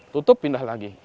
tutup pindah lagi